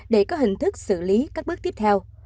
để có hình thức xử lý các bước tiếp theo